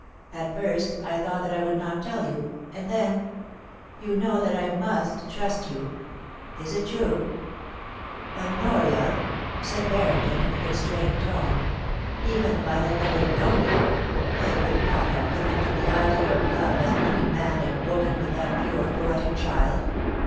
At first I thought that I would not tell you — and then — You know that I must trust you. Is it true F * Honoria !' said Barrington, in a constrained tone • *even if I had never known you^ I could not have connected the idea of love as between man and woman with that pure poetic child.